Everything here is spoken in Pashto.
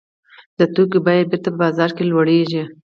د توکو بیه بېرته په بازار کې لوړېږي